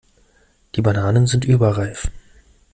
Die Bananen sind überreif.